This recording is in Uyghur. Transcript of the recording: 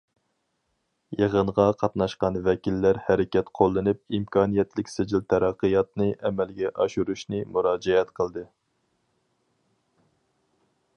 يىغىنغا قاتناشقان ۋەكىللەر ھەرىكەت قوللىنىپ ئىمكانىيەتلىك سىجىل تەرەققىياتنى ئەمەلگە ئاشۇرۇشنى مۇراجىئەت قىلدى.